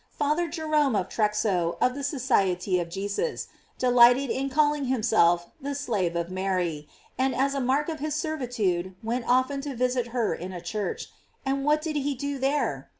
Father Jerome of Trexo, of the Society of Jesus, delighted in calling him self the slave of Mary, and as a mark of his ser vitude went of ten to visit her in a church: and what did he do there?